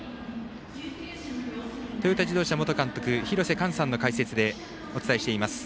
トヨタ自動車元監督廣瀬寛さんの解説でお伝えしています。